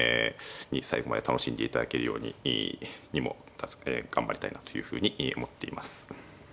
最後まで楽しんでいただけるように頑張りたいなというふうに思っています。